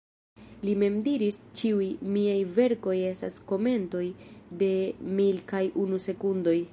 Li mem diris "Ĉiuj miaj verkoj estas komentoj de Mil kaj unu sekundoj"